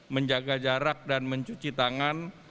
menjaga jarak dan mencuci tangan